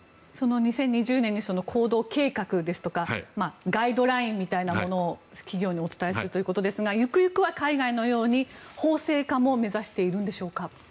その２０２０年に行動計画とかガイドラインみたいなものを企業にお伝えするということですがゆくゆくは海外のように法制化も目指しているんでしょうか？